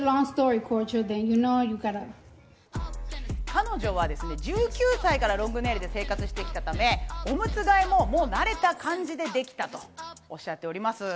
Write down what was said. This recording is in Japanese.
彼女は１９歳からロングネイルで生活してきたため、オムツ替えも慣れた感じでできたとおっしゃっております。